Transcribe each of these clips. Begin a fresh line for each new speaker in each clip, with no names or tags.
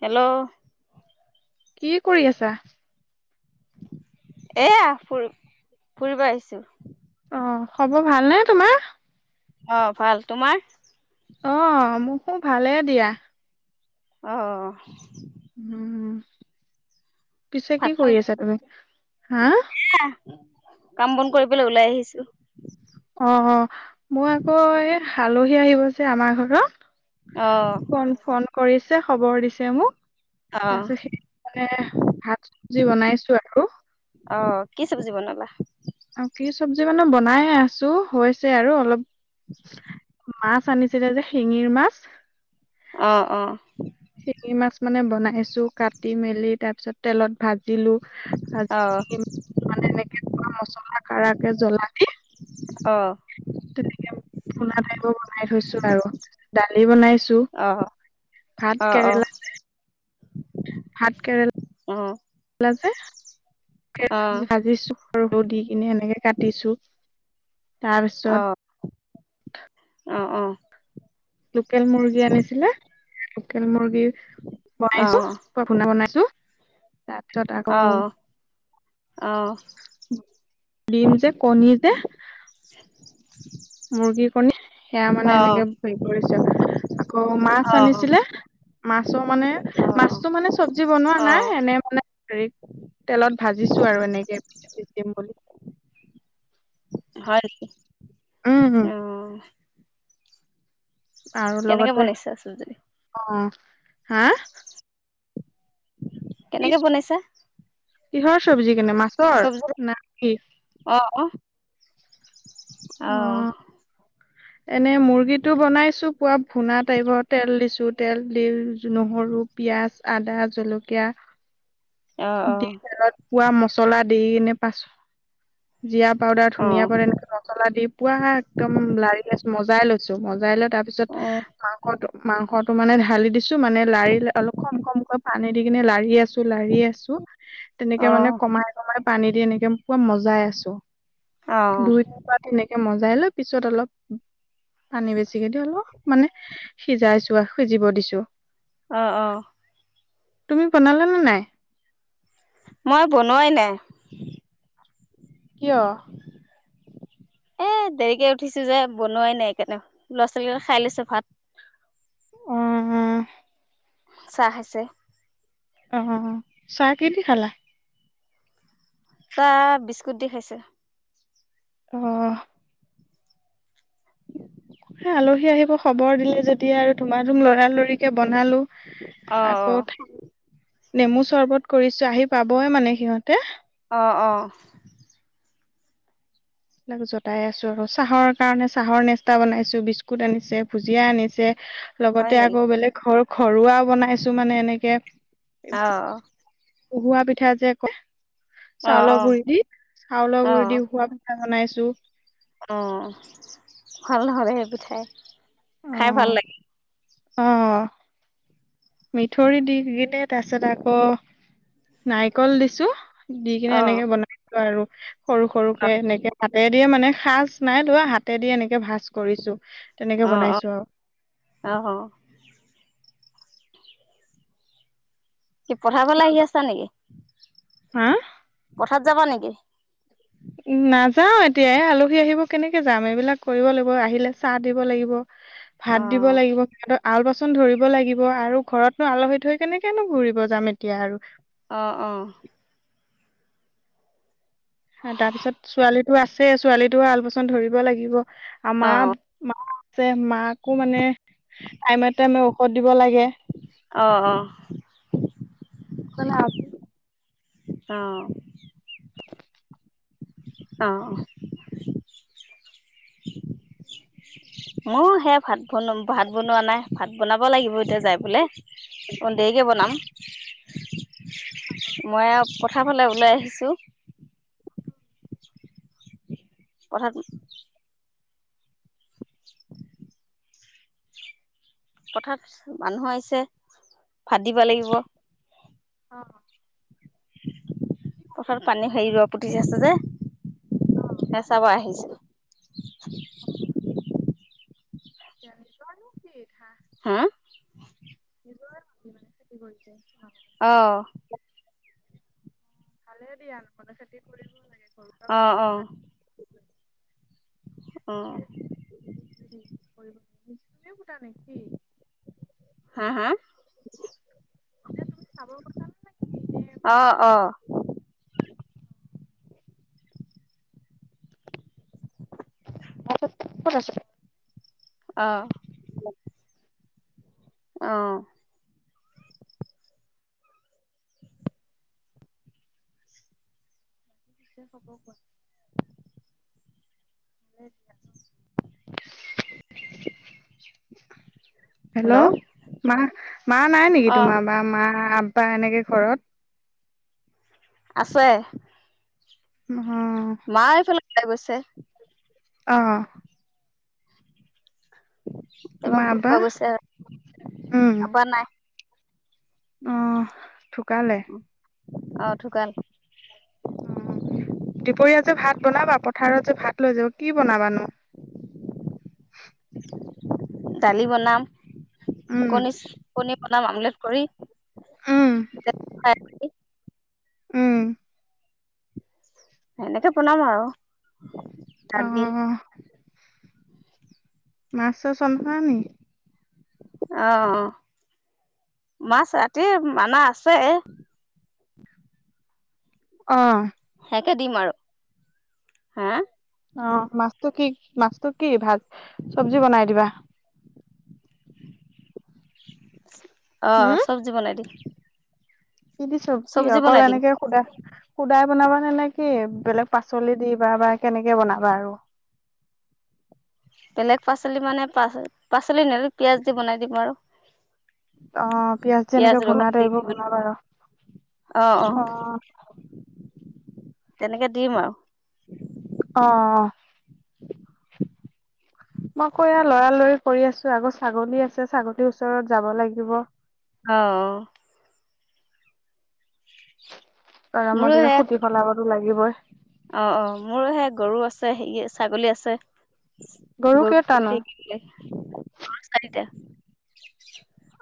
Hello,
কি কৰি আছা।
এয়া ফুৰি - ফুৰিব আহিছো।
অ, খবৰ ভালনে তোমাৰ?
অ ভাল তোমাৰ।
অ', মোকো ভালে দিয়া।
অহ ',
উম, পিছে কি কৰি আছা তুমি হা।
হ কাম বন কৰিবলৈ ওলাই আহিছো।
অ, মই আকৌ আালহী আহিব যে আমাৰ ঘৰত
অ
ফোন- ফোন কৰিছে খবৰ দিছে মোক।
অ
তাৰপিছত সেই মানে ভাত চবজি বনাইছো আৰু।
অ কি চব্জি বনালা।
অ, কি চব্জি মানে বনাই আছো হৈছে আৰু অলপ মাছ ম আাননিছিলে যে শিঙিৰ মাছ।
অ', অ'।
শিঙি মাছ মানে বনাইছো কাটি মেলি, তাৰপিছত তেলত ভাজিলো। ভাজি
অ'।
লা কাৰাকে জ্বলাকে।
অ'।
পোনা টাইপৰ বনাই থৈছোঁ আৰু দালি বনাইছোঁ।
অ'।
ভাত
অ অ অ
কেৰেলা। ভাত কেৰেলা।
অ অ অ অ অ অ অ
যে ভাজিছো। আৰু দি কিনে এনেকে কাটিছো তাৰপিছত।
অ', অ'।
লোকেল মুৰ্গী আনিছিলে লোকেল মুৰ্গী। বি বনাইছো পৰা ভূণা বনাইছোঁ। তাৰপিছত
অ অ
আকৌ। ডিম যে কণী যে। মুৰ্গীৰ কণী। সেয়া মানে এনেকে হেৰি কৰিছো, আকৌ মাছ আনিছিলে। মাছৰ মানে মাছটো মানে চব্জি বনোৱা
অ
নাই এনে মানে। হেৰিত তেলত ভাজিছো আৰু এনেকে [unintelligible] দিম বুলি।
হয়,
উম উম
অ'।
আৰু
কেনেকে
লগতে
বনাইছা চব্জি
অ', হা? কি
কেনেকে বনাইছা?
কিহৰ চব্জি কেনে মাছৰ
চব্জি
না কি?
অ অ অ'।
এনে মুৰ্গীটো বনাইছোঁ। পুৰা ভূনা টাইপৰ তেল দিছো তেল দি নহৰু, পিয়াজ, আদা জলকীয়া। [inaudible]
অ', অ'।
পোৱা মছলা দি কিনে পাছ। জিৰা পাউদাৰ
অ অ
ধুনীয়া পৰে এনেক মছলা দি পোৱা একদম লাৰি। মজাই লৈছো মজাই লৈ তাৰ পিছত মাংসত মাং। ংসটো মানে ঢালি দিছো মানে লাৰি অলপ কম কমকৈ পানী দি কিনে লাৰি আছোঁ। লাৰি আছো, তেনেকে
অ
মানে কমাই কমাই পানী দি এনেকে ম পোৱা মজাই আছোঁ।
অ
দুইটাৰ পৰা তেনেকে মজাই লৈ পিছত অলপ। পানী বেছিকে দি অলপ মানে সিজাইছোঁ আৰু সিজিব দিছোঁ।
অ', অ'।
তুমি বনালা নে নাই?
মই বনোৱাই নাই।
কিয়?
এ দেৰিকে উঠিছো যে বনোৱাই নাই [unintelligible] ল'ৰা ছোৱালী লগত খাই লৈছো ভাত।
অ'।
চাহ খাইছে?
অ', চাহ কিহেদি খালা?
চাহ বিস্কুট দি খাইছোঁ।
অহ। আলহী আহিব খবৰ দিলে যেতিয়া আৰু ধুমা ধুম লৰালৰিকে বনালো।
অ অ
আকৌ নেমু চৰ্বত কৰিছো আহি পাবইে মানে সিহঁতে।
অ', অ'।
এইবিলাক জটাই আছো আৰু চাহৰ কাৰণে চাহৰ নেস্তা বনাইছো বিস্কুট আনিছে ভুজিয়া আনিছে।
হয়
লগতে
নেকি
আকৌ বেলেগ ঘৰ ঘৰুৱাও বনাইছো মানে এনেকে
অ
উহোৱা পিঠা যে কয়,
অ অ
চাউলৰ গুৰি দি চাউলৰ
অ
গুৰি দি উহোৱা পি বনাইছো
অ ভাল নহলে সেই পিঠাই
অ
খাই ভাল লাগে
অ মিঠৈ দি দিছে তাৰপিছত আকৌ নাৰিকল দিছো দি কিনে
অ
এনেকে বনাইছো আৰু সৰু সৰুকে এনেকে হাতেৰে দিয়ে মানে সাজ নাই ধোৱা হাতে দি এনেকে ভাজ কৰিছো তেনেকে
অ অ
বনাই
অ হ কি পথাৰৰ ফালে আহি আছা নেকি
হা
পথাত যাবা নেকি
নাযাও এতিয়াই আলহী আহিব কেনেকে যাম এইবিলাক কৰিব লাগিব আহিলে চাহ দিব লাগিব ভাত
অ
দিব লাগিব হিহ আল বাচন ধৰিব লাগিব আৰু ঘৰতনো আলহি থৈ কেনেকেনো ঘুৰিব যাম এতিয়া আৰু
অ অ
তাৰপিছত ছোৱালীটো আছে ছোৱালীটো আলপচন ধৰিব লাগিব আ
অ
মা মা আছে মাকো মানে টাইমে টাইমে অ ষধ দিব লাগে
অ অ
[unintelligible]
অ অঁ অ
[unintelligible]
মই সেয়া ভাত বন ভাত বনোৱা নাই ভাত বনাব লাগিব এতিয়া যাই পেলাই অ দেৰিকে বনাম মই আৰু পথাৰ ফালে ওলাই আহিছোঁ পথাত [unintelligible] পথাত মানুহ আহিছে ভাত দিব লাগিব
অঁ।
পথাৰ পানী হেৰি ৰোৱা পুতি আছে যে এ চাব আহিছো
দিবা নেকি ঘা
হা
কি কৰিছে অ
অঁ
ভালে দিয়া নহলে খেতি কৰিব লাগে
অঁ অঁ অ
নি
হা হা অ অ
ক কত আছে
অ
লম
অ
হ'ব কোৱা হেইত হেল্ল' মা মা নাই নেকি
অ
তোমাৰ বা মা আব্বা এনেকে ঘৰত
আছে
অ
মায় এইফালে ওলাই গৈছে
অ'
এইবা
তোমাৰ আব্বা
ফুৰিব গৈছে
উম
আব্বা নাই
অ' ঢুকালে
উ আহ ঢুকাল
অ দুপৰীয়া যে ভাত বনাবা পথাৰত যে ভাত লৈ যাব কি বনাবা নো
দালি বনাম
উম
কণী কণী বনাম আমলেট কৰি
উম। উম
এনেকে বনাম আৰু দালি
অ' মাছ [unintelligible] নেকি
অ' মাছ ৰাতি মানা আছে
অ
সেইয়াকে দিম আৰু হা
অ' মাছটো কি মাছটো কি ভাত চব্জি বনাই দিবা [unintelligible]
অ' চব্জি বনাই দিম
স দিছো কি
চব্জি
অকল
বনাই দিম
এনেকে সুধা সুদাই বনাবা নে নে কি বেলেগ পাচলি দিবা বা কেনেকে বনাবা আৰু [unintelligible]
বেলেগ পাচলি মানে পা পাচলি ন পিয়াজ দি বনাই দিব আৰু
অ পিয়াজ যে এনেকে ভুনা ত এইবোৰ বনাব আৰু
আহ অ এনেকে দিম আৰু
অ' মই আকৌ লৰালৰি কৰি আছো আগৌ ছাগলী আছে ছাগলীৰ ওচৰত যাব লাগিব
অ' মোৰো
গৰমৰ দিনত
সে
খুটি বনাবতো লাগিবই
অ' অ' মোৰো সে গৰু আছে হে ছাগলী আছে গৰু [unintelligible] অ' চাৰিতা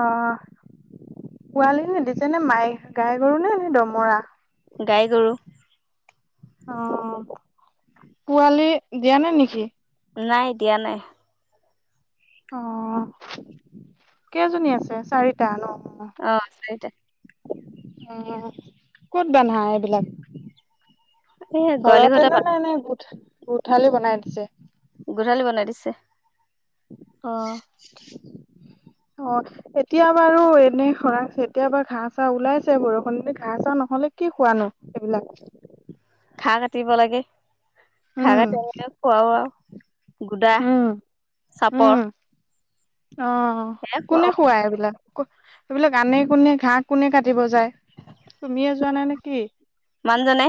অ' পোৱালি নে দিছেনে মাই গাই গৰু নে ন দমৰা
গাই গৰু
অ' পোৱালি দিয়া নাই নেকি?
নাই দিয়া নাই।
অ', কেইজনী আছে? চাৰিটা ন?
অ', চাৰিটা।
উম, ক'ত বান্ধা এইবিলাক?
এই গোৱালি ঘৰতে
ঘৰতেনে
পালো
নাই এনেই গোঠ গোঠালি বনাই দিছে
গোহালী বনাই দিছে।
অ'। অ', এতিয়া বাৰু এনেই খৰাং, এতিয়া বাৰু ঘাঁহ-চাহ ওলাইছে বৰষুণ বুলি, ঘাঁহ-চাহ নহ'লে কি, কোৱা নো সেইবিলাক
ঘাঁহ কাটিব লাগে। ঘাঁহ
উম
কাটি এনেকে খুৱাও আৰু। গোডা,
উম
চাপৰ
উম, অ',
সেয়া
কোনে
খুৱাও
খুৱাই এইবিলাক? এইবিলাক আনে কোনে? ঘাঁহ কোনে কা দিব যায়, তুমিয়ে যোৱা নাই নেকি?
মানুহজনে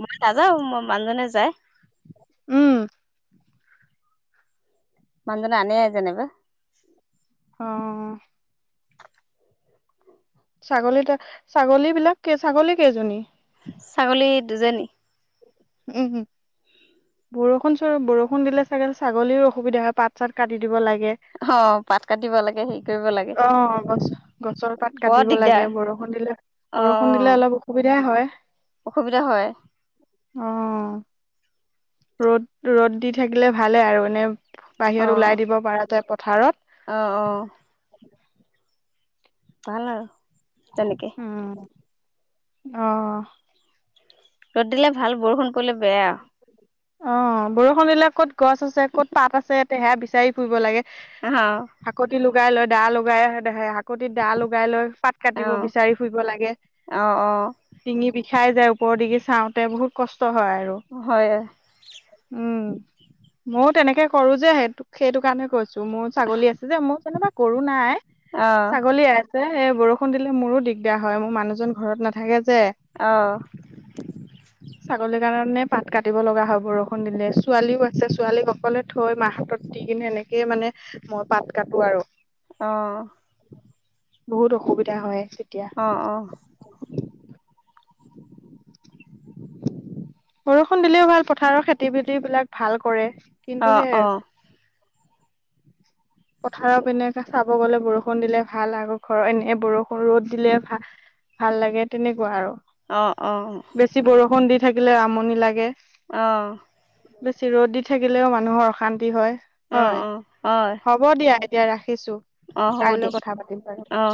মই নাজাও ম মানুহজনে যায়
উম।
মানুহজনে আনে যেনেবা
অহ। ছাগলীতা ছাগলী বিলাক ছাগলী কেইজনী
ছাগলী, দুজনী।
উম হম। বৰষুণ চ বৰষুণ দিলে ছাগে ছাগলীৰও অসুবিধা হয় পাত-চাত কাটি দিব লাগে।
অ পাত কাটিব লাগে হেৰি কৰিব লাগে
দিয়ে, অ' গছ-গছৰ পাত
বৰ
কাটিব লাগে
দিগদাৰ
বৰ- ষুণ দিলে,
অ
বৰষুণ দিলে
অ
অলপ অসুবিধাই হয়।
অসুবিধা হয়।
অঁ' ৰ'দ, ৰ'দ দি থাকিলে ভালে আৰু এনে
অ
বাহিৰত ওলাই দিব পাৰা যায় পথাৰত।
অ' অ'। ভাল আৰু তেনেকে
অহ।
ৰ'দ দিলে ভাল বৰষুণ পৰিলে বেয়া
অ' বৰষুণ দিলে ক'ত গছ আছে, ক'ত পাত আছে তেহা বিচাৰি ফুৰিব লাগে।
আহ
হাকুতি লোগাই লয় দা লোগাই আহে দেহয়ে শাক কটিত দা লগাই লৈ পাত
অ
কাটিব বিচাৰি ফুৰিব লাগে।
অ অ
ডিঙি বি- খাই যায় ওপৰৰ দিগে চাওঁতে বহুত কষ্ট হয় আৰু।
হয়
উম, মও তেনেকে কৰো যে সেইটোক, সেইটো কাৰণে কৈছো। তো' মোৰ ছাগলী আছে যে মোৰ যেনেবা গৰু নাই
অ
ছাগলী আছে। এ বৰষুণ দিলে মোৰো দিগদাৰ হয় মোৰ মানুহজন ঘৰত নাথাকে যে,
অ
ছাগলীৰ কাৰণে পাত কাটিব লগা বা বৰষুণ দিলে ছোৱালীও আছে ছোৱালীক অকলে থৈ মাৰ হাতত দি কিনে এনেকে মানে মই পাত কাটো আৰু,
অ
বহুত অসুবিধা হয়। তেতিয়া
অ অ
[inaudible] বৰষুণ দিলেও ভাল পথাৰৰ খেতি-বাতি বিলাক ভাল কৰে।
অ অ
কিন্তু সে
অ
পথাৰৰ পিনে এনেকে চাব গলে বৰষুণ দিলে ভাল আৰু ঘৰৰ এনে বৰষুণ ৰ'দ দিলে ভা- ভাল লাগে তেনেকুৱা আৰু।
অ অঁ।
বেছি বৰষুণ দি থাকিলে আমনি লাগে।
অ'
বেছি ৰ'দ দি থাকিলেও মানুহৰ অশান্তি হয়।
অ
হয়
অ, হয়।
হ'ব দিয়া এতিয়া ৰাখিছো। কাইলৈ কথা পাতিম বাৰু।
অ